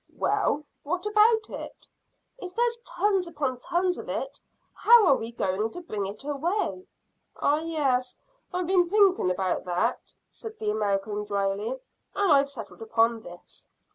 "Well, what about it?" "If there's tons upon tons of it, how are we going to bring it away?" "Ah, yes. I've been thinking about that," said the American dryly, "and I've settled upon this."